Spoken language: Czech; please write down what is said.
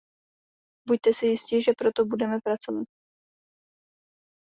Buďte si jisti, že proto budeme pracovat.